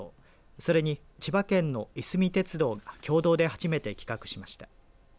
それに千葉県のいすみ鉄道が共同で初めて企画しました。